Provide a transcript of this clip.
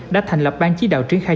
đã thành lập ban chí đạo triển khai